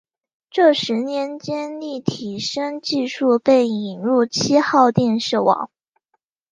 这十年间立体声技术被引入七号电视网。